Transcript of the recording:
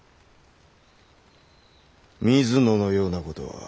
水野のようなことは。